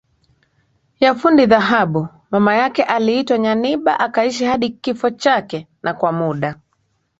ya fundi dhahabu Mama yake aliitwa Nyanibah akaishi hadi kifo chake na kwa muda